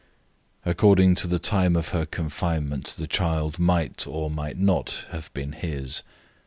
According to the time of her confinement, the child might or might not have been his.